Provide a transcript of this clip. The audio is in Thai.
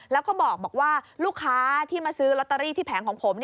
แล้วก็บอกว่าลูกค้าที่มาซื้อลอตเตอรี่ที่แผงของผม